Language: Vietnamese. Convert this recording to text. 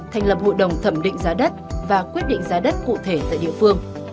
thành lập hội đồng thẩm định giá đất và quyết định giá đất cụ thể tại địa phương